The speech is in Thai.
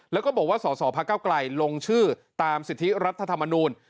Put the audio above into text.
แล้วก็บอกว่าสสพระเก้าไกลลงชื่อตามสิทธิรัฐธรรมนูล